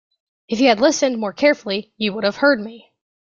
If you had listened more carefully, you would have heard me.